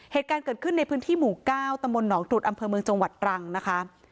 เหตุการณ์เกิดขึ้นในพื้นที่หมู่๙ตำบลหนองตรุษอำเภอเมืองจังหวัดตรังนะคะ